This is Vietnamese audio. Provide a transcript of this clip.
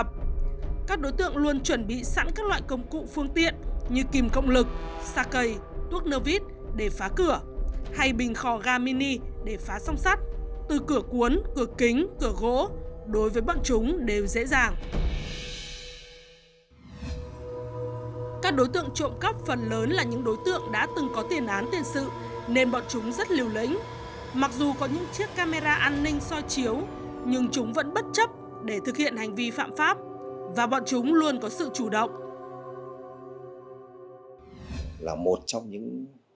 mặc dù có những chiếc camera an ninh soi chiếu nhưng chúng vẫn bất chấp để thực hiện hành vi phạm pháp và bọn chúng luôn có sự chủ động